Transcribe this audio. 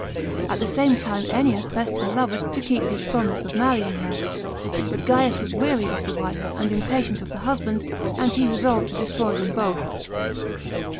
At the same time Ennia pressed her lover to keep his promise of marrying her. But Gains was weary of the wife, and impatient of the husband, and he resolved to destroy them both.